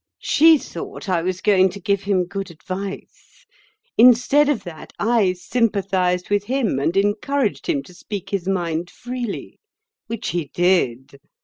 She thought I was going to give him good advice; instead of that I sympathised with him and encouraged him to speak his mind freely, which he did.